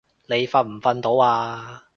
你瞓唔瞓到啊？